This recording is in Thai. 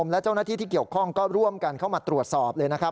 ไม่เกี่ยวข้องก็ร่วมกันเข้ามาตรวจสอบเลยนะครับ